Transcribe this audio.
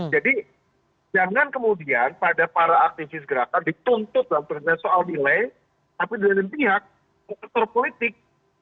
jadi jangan kemudian pada para aktivis gerakan dituntut dalam perkenalan soal nilai tapi di sebuah pihak aktor politik